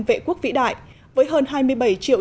vệ quốc vĩ đại với hơn hai mươi bảy triệu